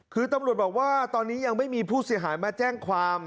คือตำรวจบอกว่าตอนนี้ยังไม่มีผู้เสียหายมาแจ้งความ